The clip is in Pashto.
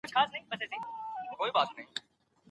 مذهبي لږکي د ډیموکراتیکي رایې ورکولو حق نه لري.